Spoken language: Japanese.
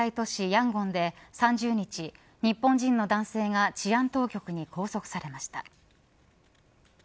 ヤンゴンで３０日、日本人の男性が治安当局に拘束されました。